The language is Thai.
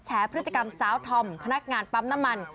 แฉพฤติกรรมซาวทอมคณะงานปั๊มน้ำมัน